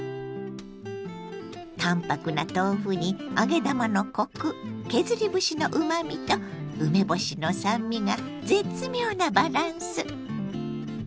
淡泊な豆腐に揚げ玉のコク削り節のうまみと梅干しの酸味が絶妙なバランス！